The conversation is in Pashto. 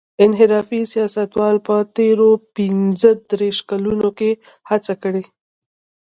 انحرافي سیاستوالو په تېرو پينځه دېرشو کلونو کې هڅه کړې.